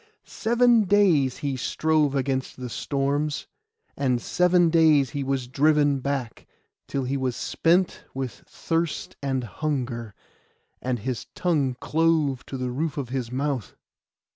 Seven days he strove against the storms, and seven days he was driven back, till he was spent with thirst and hunger, and his tongue clove to the roof of his mouth.